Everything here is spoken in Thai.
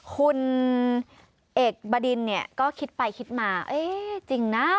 คุณเอกบดินเนี่ยก็คิดไปคิดมาเอ๊ะจริงนะ